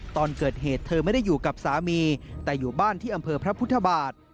ตอนเกิดเหตุเธอไม่ได้อยู่กับสามีแต่อยู่บ้านที่อำเภอพระพุทธบาท